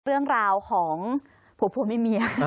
เรื่องราวของผู้ผู้ไม่เมีย